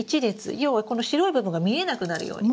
要はこの白い部分が見えなくなるように。